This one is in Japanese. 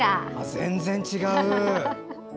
全然違う！